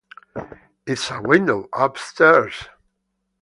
It's a window, upstairs!